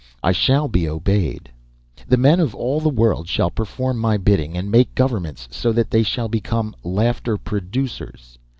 I shall be obeyed. The men of all the world shall perform my bidding and make governments so that they shall become laughter producers.